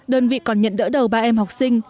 đơn vị còn nhận đỡ đầu ba em học sinh